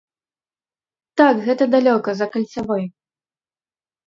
Так, гэта далёка, за кальцавой.